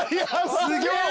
すごいな！